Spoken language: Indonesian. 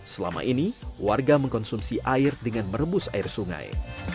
selama ini warga mengkonsumsi air dengan merebus air sungai